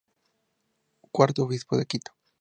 Cuarto obispo de Quito.